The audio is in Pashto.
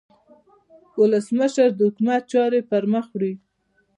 ولسمشر د حکومت چارې پرمخ وړي.